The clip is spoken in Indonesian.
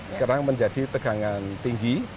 sekarang menjadi tegangan tinggi